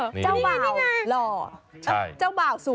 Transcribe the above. เจ้าเบาหล่อเจ้าเบาสวยเจ้าสาวหล่อ